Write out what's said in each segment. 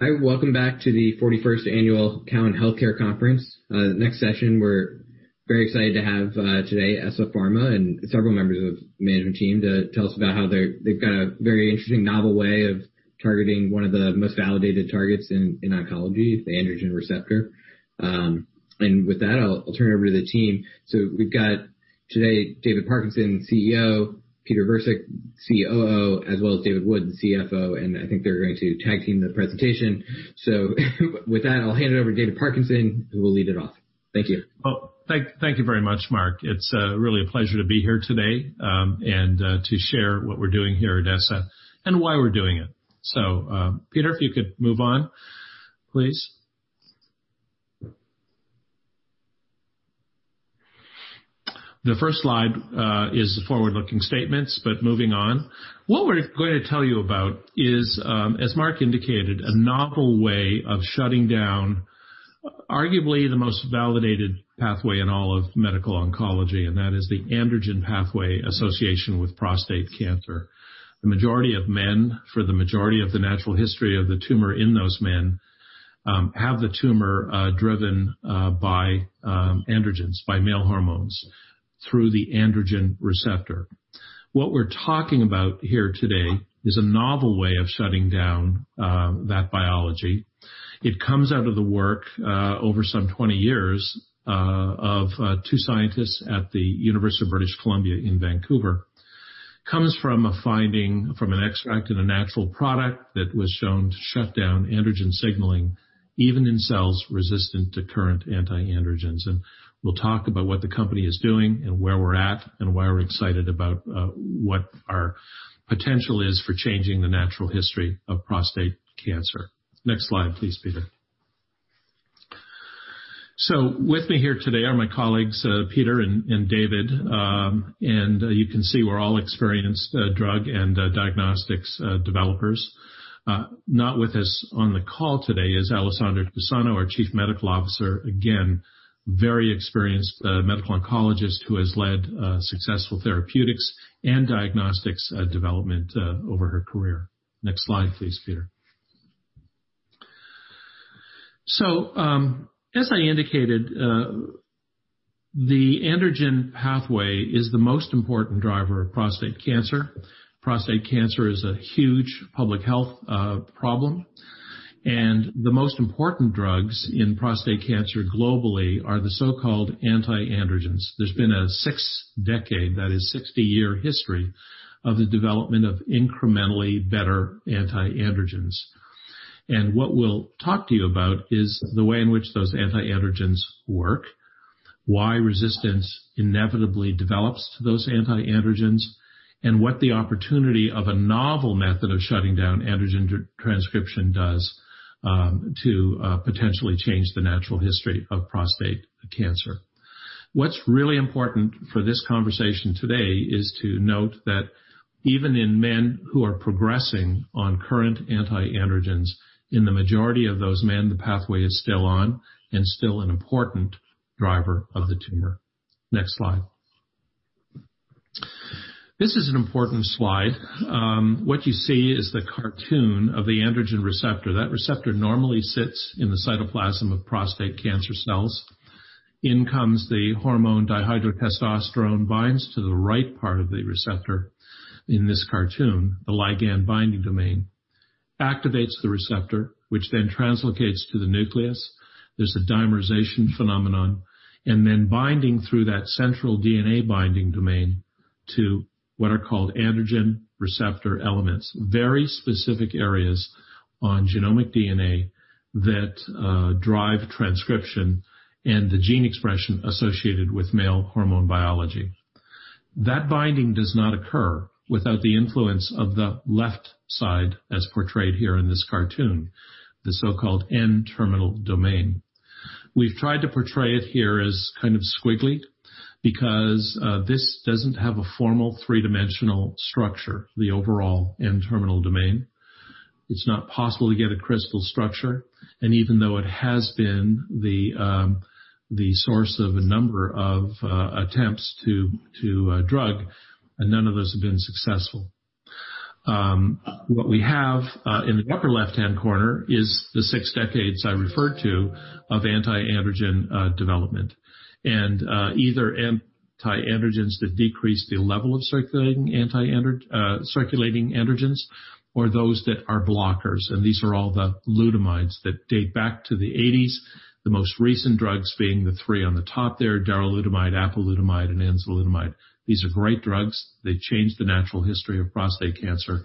Hi, welcome back to the 41st Annual Cowen Healthcare Conference. Next session, we're very excited to have today, ESSA Pharma and several members of the management team to tell us about how they've got a very interesting novel way of targeting one of the most validated targets in oncology, the androgen receptor. With that, I'll turn it over to the team. We've got today, David Parkinson, CEO, Peter Virsik, COO, as well as David Wood, the CFO. I think they're going to tag team the presentation. With that, I'll hand it over to David Parkinson, who will lead it off. Thank you. Thank you very much, Mark. It's really a pleasure to be here today and to share what we're doing here at ESSA and why we're doing it. Peter, if you could move on, please. The first slide is the forward-looking statements, moving on. What we're going to tell you about is, as Mark indicated, a novel way of shutting down arguably the most validated pathway in all of medical oncology, and that is the androgen pathway association with prostate cancer. The majority of men, for the majority of the natural history of the tumor in those men, have the tumor driven by androgens, by male hormones, through the androgen receptor. What we're talking about here today is a novel way of shutting down that biology. It comes out of the work over some 20 years of two scientists at the University of British Columbia in Vancouver. Comes from a finding from an extract in a natural product that was shown to shut down androgen signaling, even in cells resistant to current antiandrogens. We'll talk about what the company is doing and where we're at and why we're excited about what our potential is for changing the natural history of prostate cancer. Next slide, please, Peter. With me here today are my colleagues, Peter and David. You can see we're all experienced drug and diagnostics developers. Not with us on the call today is Alessandra Cesano, our Chief Medical Officer. Again, very experienced medical oncologist who has led successful therapeutics and diagnostics development over her career. Next slide, please, Peter. As I indicated, the androgen pathway is the most important driver of prostate cancer. Prostate cancer is a huge public health problem, and the most important drugs in prostate cancer globally are the so-called anti-androgens. There's been a six-decade, that is 60 year history, of the development of incrementally better anti-androgens. What we'll talk to you about is the way in which those anti-androgens work, why resistance inevitably develops to those anti-androgens, and what the opportunity of a novel method of shutting down androgen transcription does to potentially change the natural history of prostate cancer. What's really important for this conversation today is to note that even in men who are progressing on current anti-androgens, in the majority of those men, the pathway is still on and still an important driver of the tumor. Next slide. This is an important slide. What you see is the cartoon of the androgen receptor. That receptor normally sits in the cytoplasm of prostate cancer cells. In comes the hormone dihydrotestosterone binds to the right part of the receptor in this cartoon, the ligand-binding domain. Activates the receptor, which then translocates to the nucleus. There's a dimerization phenomenon, and then binding through that central DNA binding domain to what are called androgen receptor elements. Very specific areas on genomic DNA that drive transcription and the gene expression associated with male hormone biology. That binding does not occur without the influence of the left side as portrayed here in this cartoon, the so-called N-terminal domain. We've tried to portray it here as kind of squiggly because this doesn't have a formal three-dimensional structure, the overall N-terminal domain. It's not possible to get a crystal structure, and even though it has been the source of a number of attempts to drug, and none of those have been successful. What we have in the upper left-hand corner is the six decades I referred to of antiandrogen development, and either antiandrogens that decrease the level of circulating androgens or those that are blockers, and these are all the lutamides that date back to the '80s, the most recent drugs being the three on the top there, darolutamide, apalutamide, and enzalutamide. These are great drugs. They change the natural history of prostate cancer.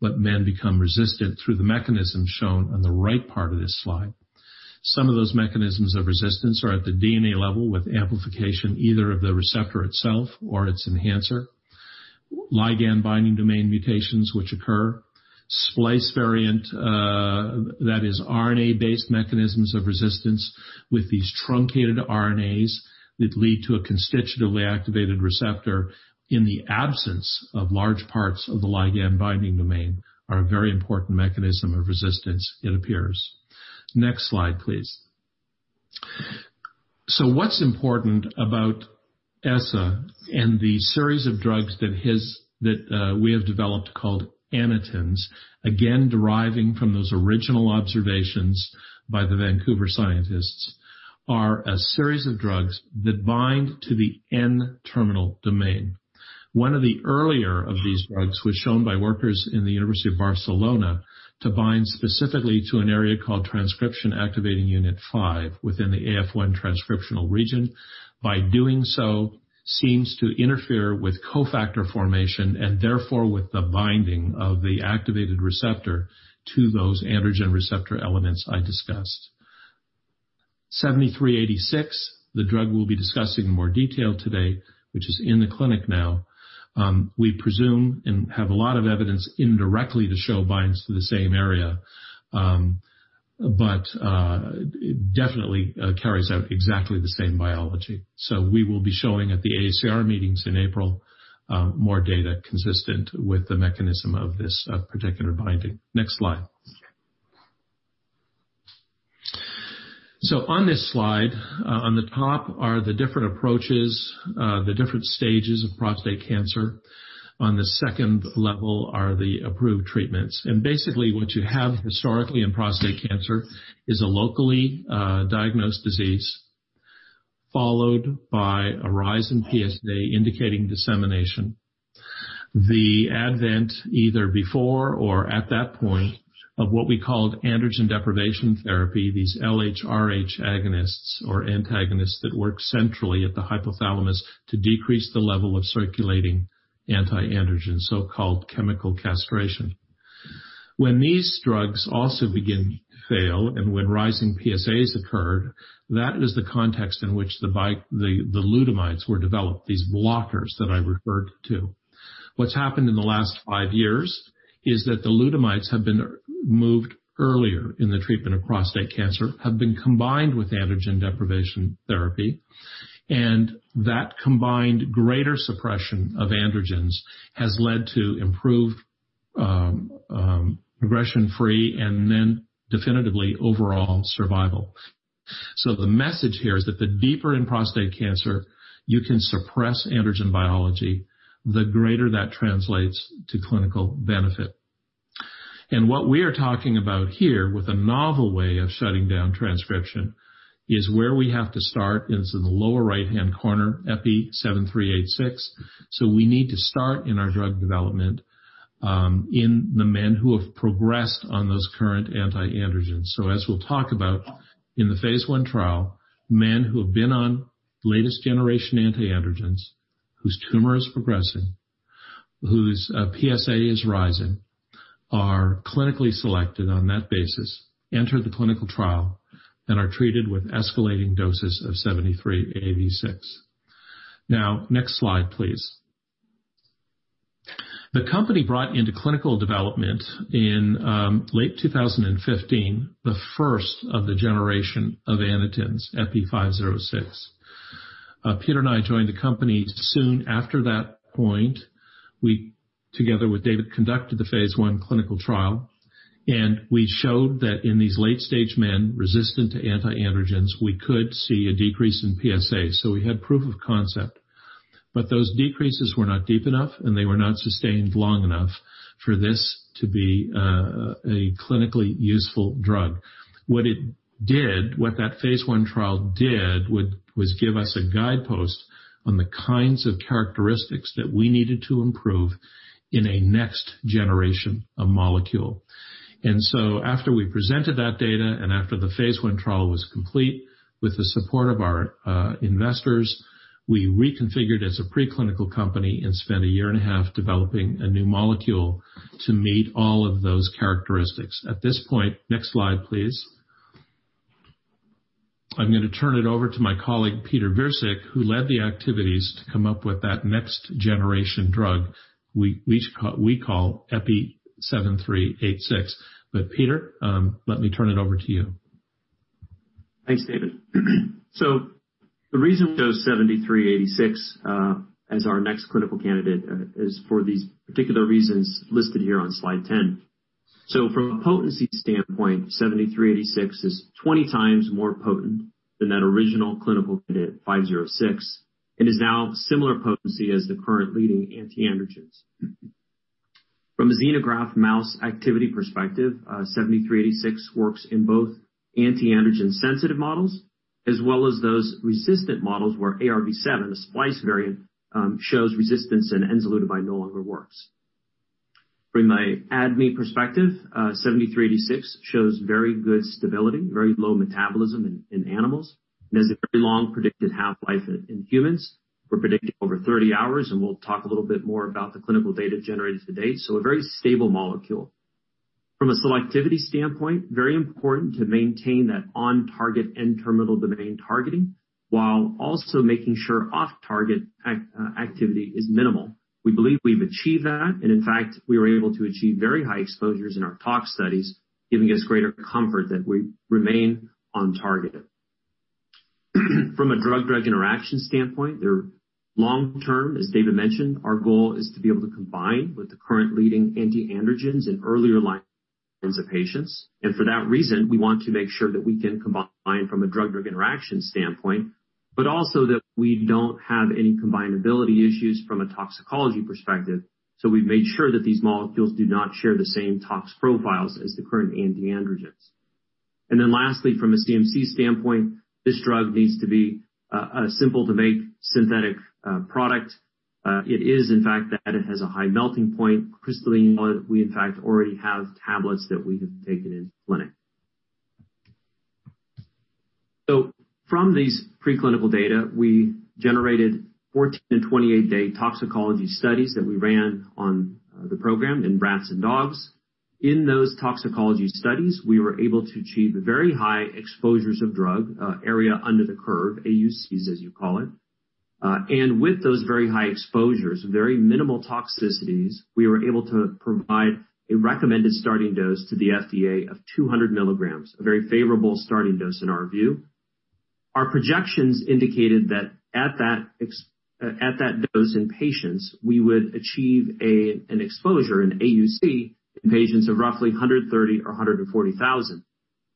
Men become resistant through the mechanism shown on the right part of this slide. Some of those mechanisms of resistance are at the DNA level with amplification, either of the receptor itself or its enhancer. Ligand-binding domain mutations which occur. Splice variant, that is RNA-based mechanisms of resistance with these truncated RNAs that lead to a constitutively activated receptor in the absence of large parts of the ligand-binding domain are a very important mechanism of resistance, it appears. Next slide, please. What's important about ESSA and the series of drugs that we have developed called Anitens, again, deriving from those original observations by the Vancouver scientists, are a series of drugs that bind to the N-terminal domain. One of the earlier of these drugs was shown by workers in the University of Barcelona to bind specifically to an area called transactivation unit five within the AF1 transcriptional region. By doing so, seems to interfere with cofactor formation and therefore with the binding of the activated receptor to those androgen receptor elements I discussed. 7386, the drug we'll be discussing in more detail today, which is in the clinic now. We presume and have a lot of evidence indirectly to show binds to the same area. It definitely carries out exactly the same biology. We will be showing at the AACR meetings in April, more data consistent with the mechanism of this particular binding. Next slide. On this slide, on the top are the different approaches, the different stages of prostate cancer. On the second level are the approved treatments. Basically what you have historically in prostate cancer is a locally diagnosed disease followed by a rise in PSA indicating dissemination. The advent, either before or at that point, of what we called androgen deprivation therapy, these LHRH agonists or antagonists that work centrally at the hypothalamus to decrease the level of circulating antiandrogen, so-called chemical castration. When these drugs also begin to fail and when rising PSA occurred, that is the context in which the lutamides were developed, these blockers that I referred to. What's happened in the last five years is that the lutamides have been moved earlier in the treatment of prostate cancer, have been combined with androgen deprivation therapy. That combined greater suppression of androgens has led to improved progression-free and then definitively overall survival. The message here is that the deeper in prostate cancer you can suppress androgen biology, the greater that translates to clinical benefit. What we are talking about here with a novel way of shutting down transcription is where we have to start is in the lower right-hand corner, EPI-7386. We need to start in our drug development, in the men who have progressed on those current anti-androgens. As we'll talk about in the phase I trial, men who have been on latest generation anti-androgens, whose tumor is progressing, whose PSA is rising, are clinically selected on that basis, enter the clinical trial, and are treated with escalating doses of 7386. Next slide, please. The company brought into clinical development in late 2015, the first of the generation of anitens, EPI-506. Peter and I joined the company soon after that point. We, together with David, conducted the phase I clinical trial, and we showed that in these late-stage men resistant to anti-androgens, we could see a decrease in PSA. We had proof of concept. Those decreases were not deep enough, and they were not sustained long enough for this to be a clinically useful drug. What it did, what that phase I trial did was give us a guidepost on the kinds of characteristics that we needed to improve in a next generation of molecule. After we presented that data and after the phase I trial was complete, with the support of our investors, we reconfigured as a preclinical company and spent a year and a half developing a new molecule to meet all of those characteristics. At this point, next slide, please. I'm going to turn it over to my colleague, Peter Virsik, who led the activities to come up with that next generation drug we call EPI-7386. Peter, let me turn it over to you. Thanks, David. The reason we chose 7386 as our next clinical candidate is for these particular reasons listed here on slide 10. From a potency standpoint, 7386 is 20x more potent than that original clinical candidate, 506, and is now similar potency as the current leading antiandrogens. From a xenograft mouse activity perspective, 7386 works in both antiandrogen sensitive models as well as those resistant models where AR-V7, the splice variant, shows resistance and enzalutamide no longer works. From a ADME perspective, 7386 shows very good stability, very low metabolism in animals, and has a very long predicted half-life in humans. We're predicting over 30 hours, and we'll talk a little bit more about the clinical data generated to date. A very stable molecule. From a selectivity standpoint, very important to maintain that on-target N-terminal domain targeting while also making sure off-target activity is minimal. We believe we've achieved that, and in fact, we were able to achieve very high exposures in our tox studies, giving us greater comfort that we remain on target. From a drug-drug interaction standpoint, long term, as David mentioned, our goal is to be able to combine with the current leading anti-androgens in earlier-line patients. For that reason, we want to make sure that we can combine from a drug-drug interaction standpoint, but also that we don't have any combinability issues from a toxicology perspective. We've made sure that these molecules do not share the same tox profiles as the current anti-androgens. Lastly, from a CMC standpoint, this drug needs to be a simple-to-make synthetic product. It is, in fact, that it has a high melting point, crystalline. We, in fact, already have tablets that we have taken into clinic. From these preclinical data, we generated 14 and 28 day toxicology studies that we ran on the program in rats and dogs. In those toxicology studies, we were able to achieve very high exposures of drug, area under the curve, AUCs, as you call it. With those very high exposures, very minimal toxicities, we were able to provide a recommended starting dose to the FDA of 200 milligrams, a very favorable starting dose in our view. Our projections indicated that at that dose in patients, we would achieve an exposure, an AUC, in patients of roughly 130,000 or 140,000.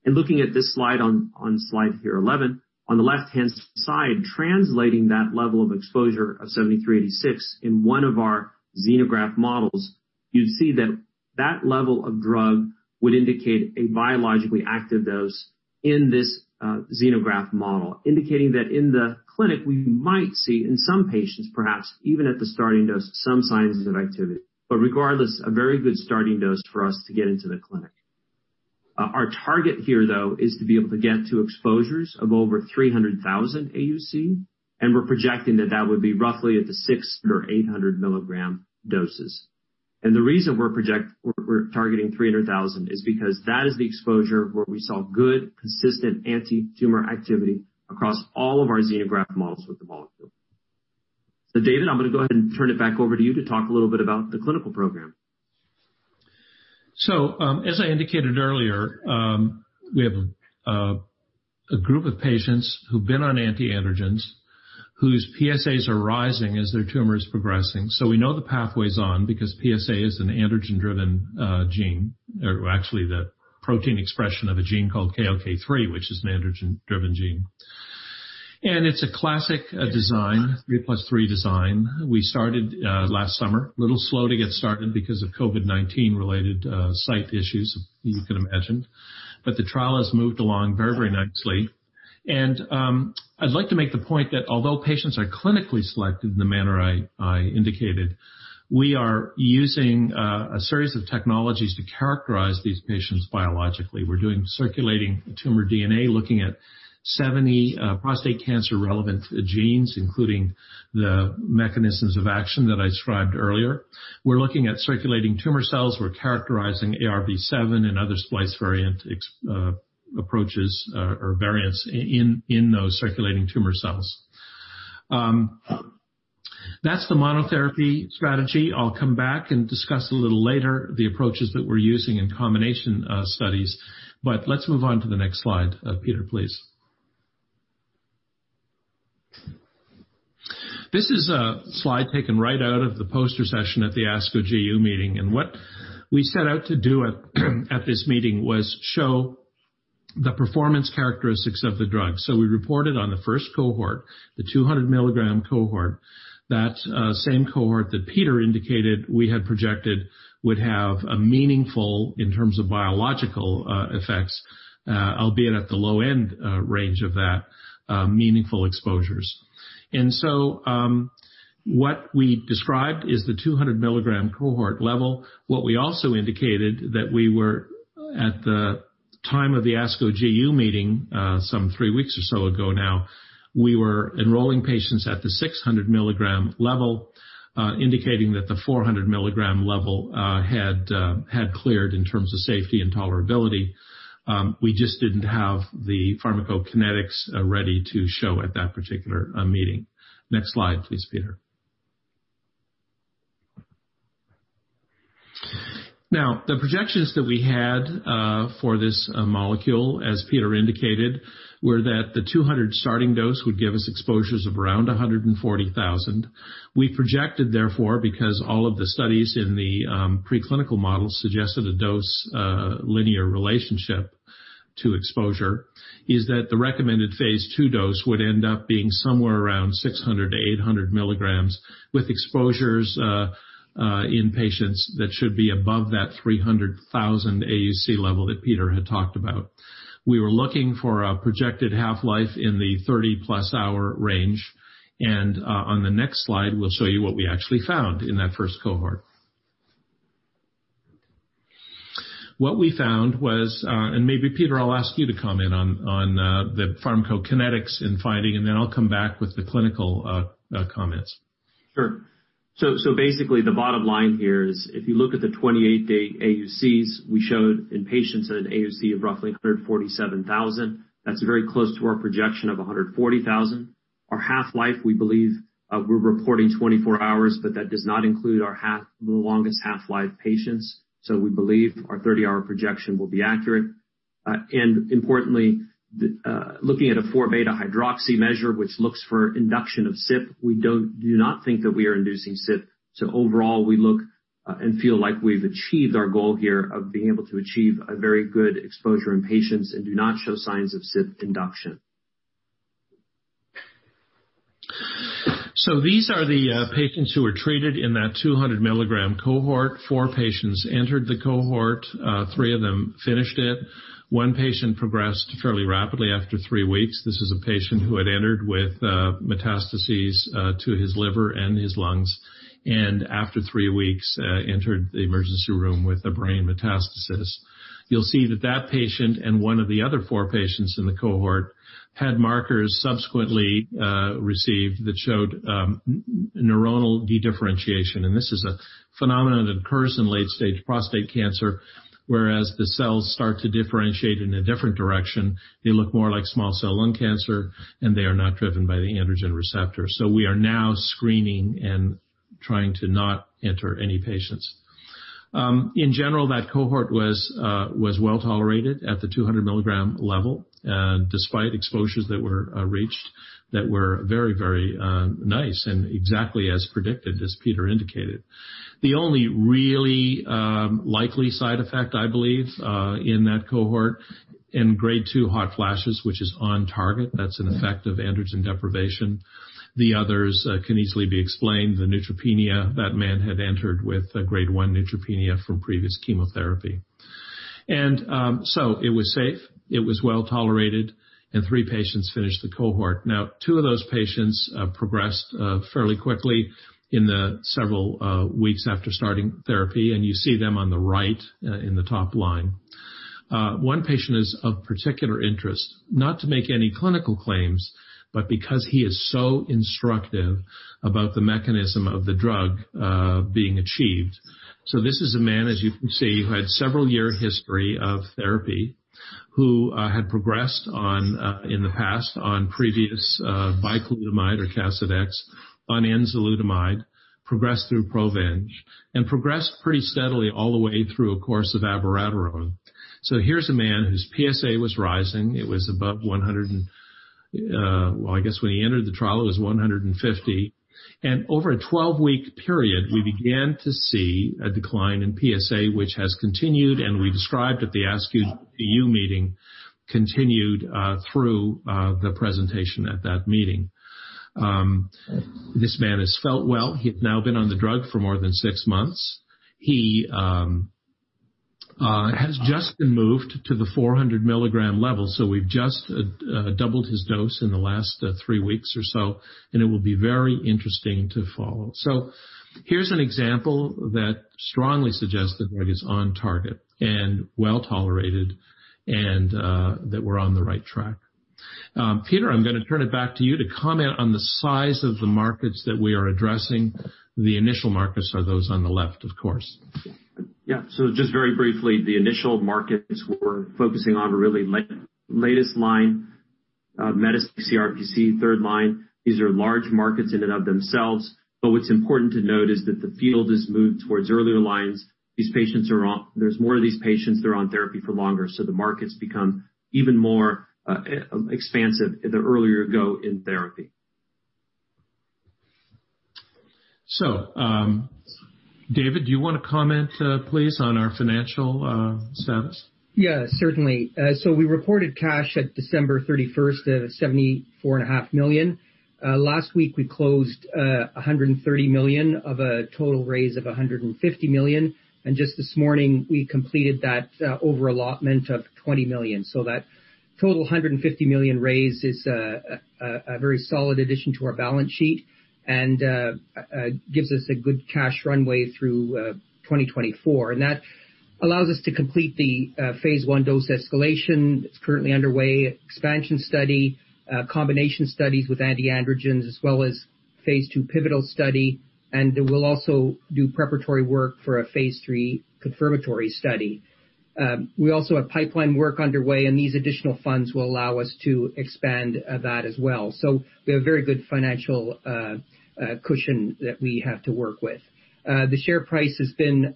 Looking at this slide on Slide here 11, on the left-hand side, translating that level of exposure of 7386 in one of our xenograft models, you'd see that that level of drug would indicate a biologically active dose in this xenograft model, indicating that in the clinic, we might see, in some patients, perhaps, even at the starting dose, some signs of activity. Regardless, a very good starting dose for us to get into the clinic. Our target here, though, is to be able to get to exposures of over 300,000 AUC, we're projecting that that would be roughly at the 600 milligram or 800 milligram doses. The reason we're targeting 300,000 is because that is the exposure where we saw good, consistent antitumor activity across all of our xenograft models with the molecule. David, I'm going to go ahead and turn it back over to you to talk a little bit about the clinical program. As I indicated earlier, we have a group of patients who've been on antiandrogens whose PSAs are rising as their tumor is progressing. We know the pathway's on because PSA is an androgen-driven gene, or actually the protein expression of a gene called KLK3, which is an androgen-driven gene. It's a classic design, three plus three design. We started last summer, a little slow to get started because of COVID-19-related site issues, as you can imagine. The trial has moved along very, very nicely. I'd like to make the point that although patients are clinically selected in the manner I indicated, we are using a series of technologies to characterize these patients biologically. We're doing circulating tumor DNA, looking at 70 prostate cancer-relevant genes, including the mechanisms of action that I described earlier. We're looking at circulating tumor cells. We're characterizing AR-V7 and other splice variant approaches or variants in those circulating tumor cells. That's the monotherapy strategy. I'll come back and discuss a little later the approaches that we're using in combination studies, but let's move on to the next slide, Peter, please. This is a slide taken right out of the poster session at the ASCO GU meeting, and what we set out to do at this meeting was show the performance characteristics of the drug. We reported on the first cohort, the 200 milligram cohort, that same cohort that Peter indicated we had projected would have a meaningful, in terms of biological effects, albeit at the low end range of that, meaningful exposures. What we described is the 200 milligram cohort level. What we also indicated that we were at the time of the ASCO GU meeting, some three weeks or so ago now, we were enrolling patients at the 600 milligram level, indicating that the 400 milligram level had cleared in terms of safety and tolerability. We just didn't have the pharmacokinetics ready to show at that particular meeting. Next slide, please, Peter. The projections that we had for this molecule, as Peter indicated, were that the 200 starting dose would give us exposures of around 140,000. We projected, therefore, because all of the studies in the preclinical models suggested a dose linear relationship to exposure, is that the recommended phase II dose would end up being somewhere around 600 milligrams-800 milligrams with exposures in patients that should be above that 300,000 AUC level that Peter had talked about. We were looking for a projected half-life in the 30 plus hour range. On the next slide, we'll show you what we actually found in that first cohort. What we found was, and maybe Peter, I'll ask you to comment on the Pharmacokinetics and finding, and then I'll come back with the clinical comments. Basically, the bottom line here is if you look at the 28 day AUCs, we showed in patients at an AUC of roughly 147,000. That's very close to our projection of 140,000. Our half-life, we believe we're reporting 24 hours, but that does not include our longest half-life patients. We believe our 30 hour projection will be accurate. Importantly, looking at a 4-beta-hydroxycholesterol measure which looks for induction of CYP, we do not think that we are inducing CYP. Overall, we look and feel like we've achieved our goal here of being able to achieve a very good exposure in patients and do not show signs of CYP induction. These are the patients who were treated in that 200 milligram cohort. Four patients entered the cohort. Three of them finished it. One patient progressed fairly rapidly after three weeks. This is a patient who had entered with metastases to his liver and his lungs, and after three weeks, entered the emergency room with a brain metastasis. You'll see that that patient and one of the other four patients in the cohort had markers subsequently received that showed neuroendocrine dedifferentiation, and this is a phenomenon that occurs in late stage prostate cancer, whereas the cells start to differentiate in a different direction. They look more like small cell lung cancer, and they are not driven by the androgen receptor. We are now screening and trying to not enter any patients. In general, that cohort was well tolerated at the 200 milligrams level, despite exposures that were reached that were very nice and exactly as predicted, as Peter indicated. The only really likely side effect, I believe, in that cohort in grade two hot flashes, which is on target, that's an effect of androgen deprivation. The others can easily be explained. The neutropenia, that man had entered with grade one neutropenia from previous chemotherapy. It was safe, it was well-tolerated, and three patients finished the cohort. Now, two of those patients progressed fairly quickly in the several weeks after starting therapy, and you see them on the right in the top line. One patient is of particular interest, not to make any clinical claims, but because he is so instructive about the mechanism of the drug being achieved. This is a man, as you can see, who had a several-year history of therapy, who had progressed in the past on previous bicalutamide or Casodex, on enzalutamide, progressed through PROVENGE, and progressed pretty steadily all the way through a course of abiraterone. Here's a man whose PSA was rising. It was above 100. Well, I guess when he entered the trial, it was 150. Over a 12 week period, we began to see a decline in PSA, which has continued and we described at the ASCO GU meeting, continued through the presentation at that meeting. This man has felt well. He's now been on the drug for more than six months. He has just been moved to the 400 milligram level, so we've just doubled his dose in the last three weeks or so, and it will be very interesting to follow. Here's an example that strongly suggests the drug is on target and well tolerated and that we're on the right track. Peter, I'm going to turn it back to you to comment on the size of the markets that we are addressing. The initial markets are those on the left, of course. Just very briefly, the initial markets we're focusing on are really latest line metastatic CRPC, third line. These are large markets in and of themselves. What's important to note is that the field has moved towards earlier lines. There's more of these patients that are on therapy for longer, so the markets become even more expansive the earlier you go in therapy. David, do you want to comment, please, on our financial status? We reported cash at December 31st at $74.5 million. Last week we closed $130 million of a total raise of $150 million, and just this morning we completed that over allotment of $20 million. That total $150 million raise is a very solid addition to our balance sheet and gives us a good cash runway through 2024. That allows us to complete the phase I dose escalation that's currently underway, expansion study, combination studies with anti-androgens, as well as phase II pivotal study, and we'll also do preparatory work for a phase III confirmatory study. We also have pipeline work underway, and these additional funds will allow us to expand that as well. We have a very good financial cushion that we have to work with. The share price has been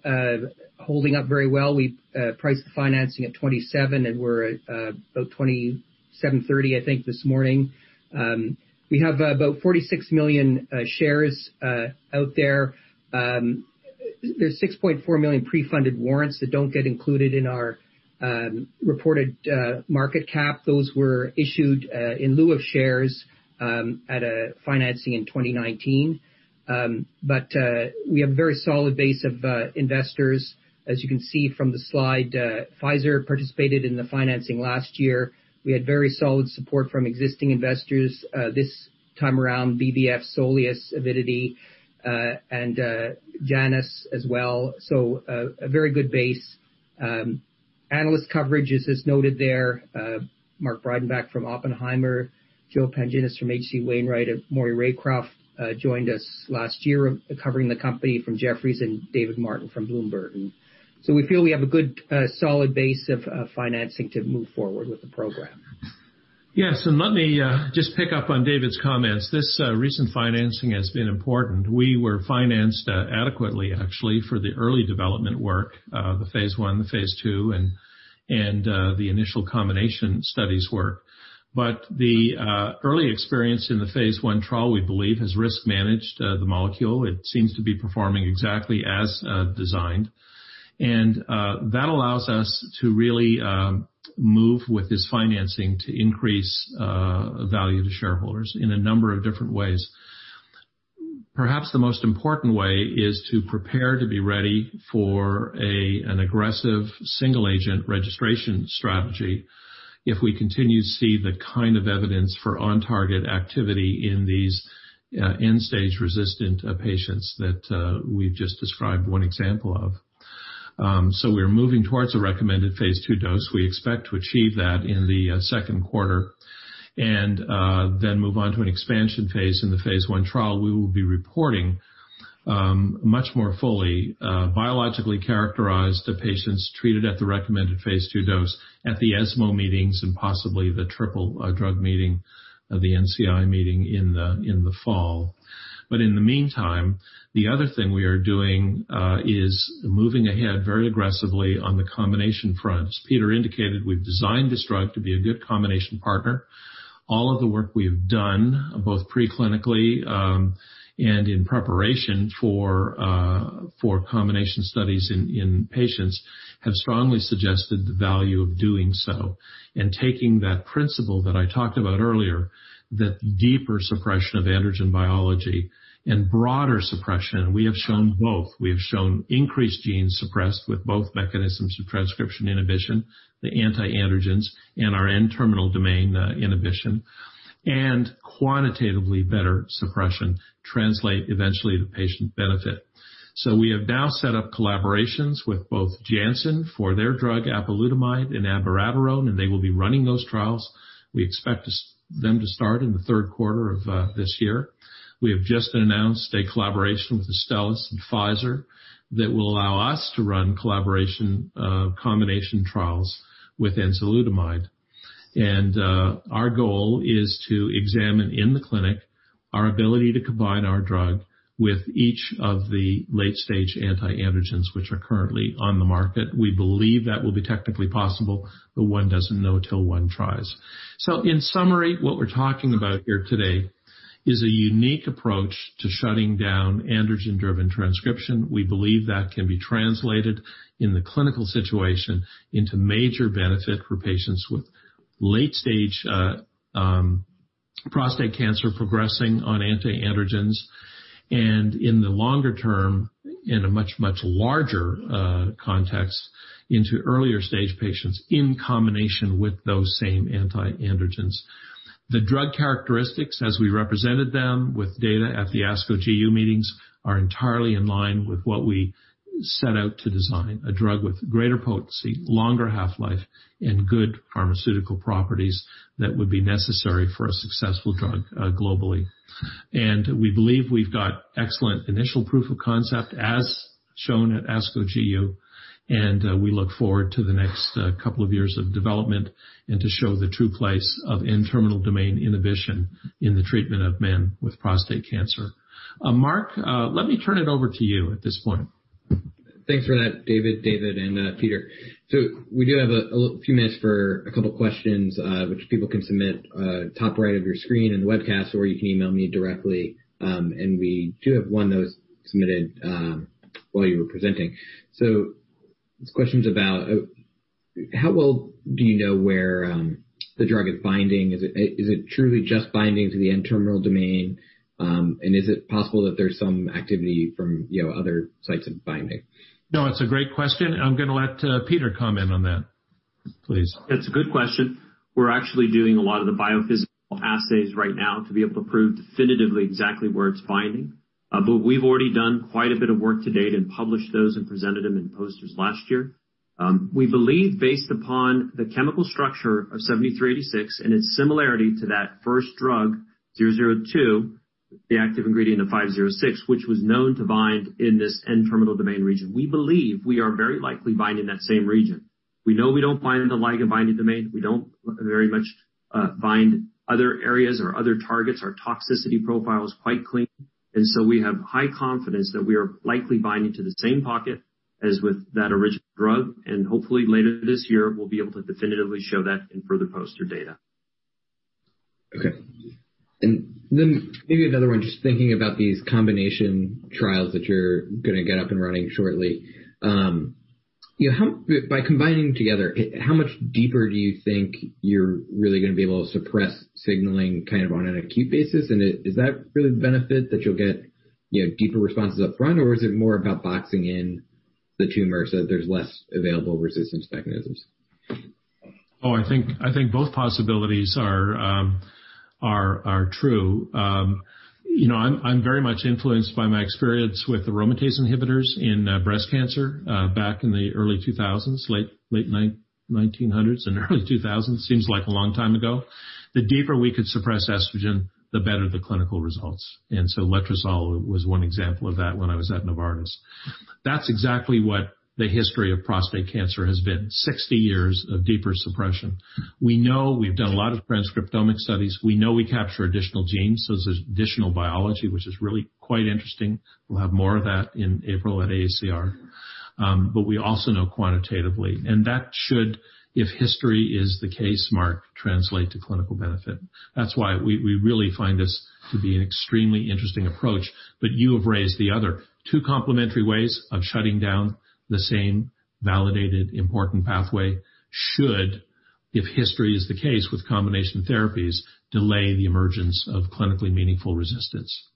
holding up very well. We priced the financing at $27, and we're at about $27.30, I think, this morning. We have about 46 million shares out there. There's 6.4 million pre-funded warrants that don't get included in our reported market cap. Those were issued in lieu of shares at a financing in 2019. We have a very solid base of investors. As you can see from the slide, Pfizer participated in the financing last year. We had very solid support from existing investors. This time around, BVF, Soleus, Avidity, and Janus as well. A very good base. Analyst coverage is as noted there. Mark Breidenbach from Oppenheimer, Joe Pantginis from H.C. Wainwright, and Maury Raycroft joined us last year covering the company from Jefferies, and David Martin from Bloomberg. We feel we have a good, solid base of financing to move forward with the program. Yes, let me just pick up on David's comments. This recent financing has been important. We were financed adequately, actually, for the early development work, the phase I, the phase II, and the initial combination studies work. The early experience in the phase I trial, we believe, has risk-managed the molecule. It seems to be performing exactly as designed. That allows us to really move with this financing to increase value to shareholders in a number of different ways. Perhaps the most important way is to prepare to be ready for an aggressive single-agent registration strategy if we continue to see the kind of evidence for on-target activity in these end-stage resistant patients that we've just described one example of. We're moving towards a recommended phase II dose. We expect to achieve that in the second quarter and then move on to an expansion phase in the phase I trial. We will be reporting much more fully biologically characterized patients treated at the recommended phase II dose at the ESMO meetings and possibly the triple drug meeting, the NCI meeting in the fall. In the meantime, the other thing we are doing is moving ahead very aggressively on the combination front. As Peter indicated, we've designed this drug to be a good combination partner. All of the work we have done, both pre-clinically and in preparation for combination studies in patients, have strongly suggested the value of doing so. Taking that principle that I talked about earlier, that deeper suppression of androgen biology and broader suppression, we have shown both. We have shown increased genes suppressed with both mechanisms of transcription inhibition, the anti-androgens, and our N-terminal domain inhibition. Quantitatively better suppression translate eventually to patient benefit. We have now set up collaborations with both Janssen for their drug apalutamide and abiraterone. They will be running those trials. We expect them to start in the third quarter of this year. We have just announced a collaboration with Astellas and Pfizer that will allow us to run collaboration combination trials with enzalutamide. Our goal is to examine, in the clinic, our ability to combine our drug with each of the late-stage anti-androgens which are currently on the market. We believe that will be technically possible. One doesn't know till one tries. In summary, what we're talking about here today is a unique approach to shutting down androgen-driven transcription. We believe that can be translated in the clinical situation into major benefit for patients with late-stage prostate cancer progressing on anti-androgens, and in the longer term, in a much, much larger context, into earlier stage patients in combination with those same anti-androgens. The drug characteristics, as we represented them with data at the ASCO GU meetings, are entirely in line with what we set out to design. A drug with greater potency, longer half-life, and good pharmaceutical properties that would be necessary for a successful drug globally. We believe we've got excellent initial proof of concept as shown at ASCO GU, and we look forward to the next couple of years of development, and to show the true place of N-terminal domain inhibition in the treatment of men with prostate cancer. Mark, let me turn it over to you at this point. Thanks for that, David, and Peter. We do have a few minutes for a couple questions, which people can submit top right of your screen in the webcast, or you can email me directly. We do have one that was submitted while you were presenting. This question's about how well do you know where the drug is binding? Is it truly just binding to the N-terminal domain? Is it possible that there's some activity from other sites of binding? No, it's a great question. I'm going to let Peter comment on that. Please. It's a good question. We're actually doing a lot of the biophysical assays right now to be able to prove definitively exactly where it's binding. We've already done quite a bit of work to date and published those and presented them in posters last year. We believe based upon the chemical structure of 7386 and its similarity to that first drug, 002, the active ingredient of 506, which was known to bind in this N-terminal domain region. We believe we are very likely binding that same region. We know we don't bind in the ligand-binding domain. We don't very much bind other areas or other targets. Our toxicity profile is quite clean, and so we have high confidence that we are likely binding to the same pocket as with that original drug. Hopefully later this year, we'll be able to definitively show that in further poster data. Okay. Then maybe another one, just thinking about these combination trials that you're going to get up and running shortly. By combining together, how much deeper do you think you're really going to be able to suppress signaling on an acute basis? Is that really the benefit that you'll get deeper responses up front, or is it more about boxing in the tumor so that there's less available resistance mechanisms? I think both possibilities are true. I'm very much influenced by my experience with aromatase inhibitors in breast cancer back in the early 2000s, late 1900s and early 2000s. Seems like a long time ago. The deeper we could suppress estrogen, the better the clinical results. And so letrozole was one example of that when I was at Novartis. That's exactly what the history of prostate cancer has been. 60 years of deeper suppression. We know we've done a lot of transcriptomic studies. We know we capture additional genes. There's additional biology, which is really quite interesting. We'll have more of that in April at AACR. We also know quantitatively, and that should, if history is the case, Mark, translate to clinical benefit. That's why we really find this to be an extremely interesting approach. You have raised the other two complementary ways of shutting down the same validated important pathway should, if history is the case with combination therapies, delay the emergence of clinically meaningful resistance.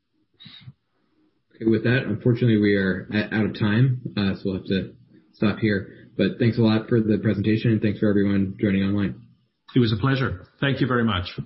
Okay, with that, unfortunately, we are out of time, so we'll have to stop here. Thanks a lot for the presentation and thanks for everyone joining online. It was a pleasure. Thank you very much.